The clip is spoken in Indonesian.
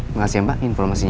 terima kasih mbak informasinya